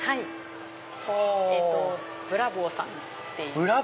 ブラ坊さんっていう。